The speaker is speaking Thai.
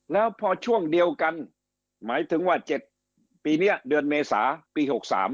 แล้วพอช่วงเดียวกันหมายถึงว่า๗ปีนี้เดือนเมษาปี๖๓